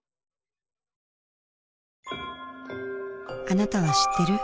あなたは知ってる？